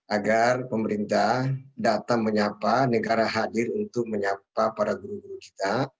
agar pemerintah datang menyapa negara hadir untuk menyapa para guru guru kita